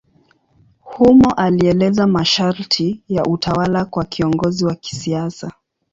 Humo alieleza masharti ya utawala kwa kiongozi wa kisiasa.